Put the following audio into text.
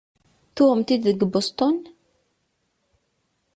Tuɣem-t-id deg Boston?